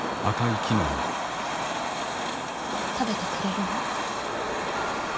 食べてくれるの？